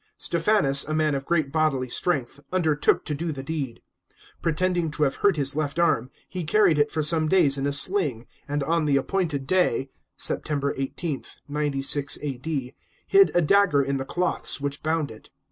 Stephanus, a man of great bodily strength, undertook to do the deed. Pretending to have hurt his left arm, he carried it for some days in a sling, and on the appointed day (September 18, 96 A.D.) hid a dagger in the cloths which bound it.